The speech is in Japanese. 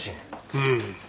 うん。